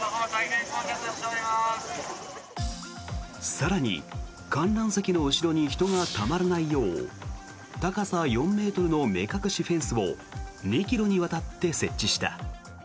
更に、観覧席の後ろに人がたまらないよう高さ４ｍの目隠しフェンスを２ｋｍにわたって設置した。